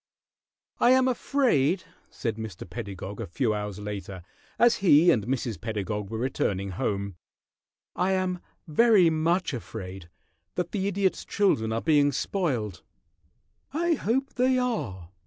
"I am afraid," said Mr. Pedagog a few hours later, as he and Mrs. Pedagog were returning home, "I am very much afraid that the Idiot's children are being spoiled." "I hope they are!"